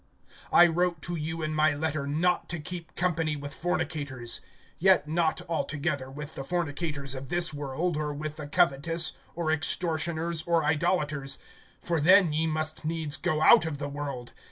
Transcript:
(9)I wrote to you, in my letter, not to keep company with fornicators; (10)yet not, altogether, with the fornicators of this world, or with the covetous, or extortioners, or idolaters; for then ye must needs go out of the world.